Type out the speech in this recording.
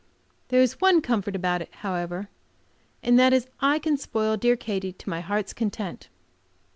There is one comfort about it, however, and that is that I can spoil dear Katy to my heart's content.